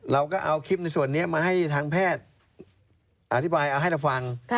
เราก็เอาคลิปในส่วนนี้มาให้ทางแพทย์อธิบายเอาให้เราฟัง